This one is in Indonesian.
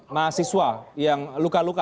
mahasiswa yang luka luka